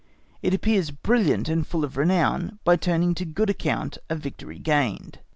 It appears brilliant and full of renown by turning to good account a victory gained.